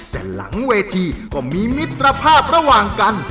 แต่หลังเวทีก็มีมิตรภาพระหว่างกัน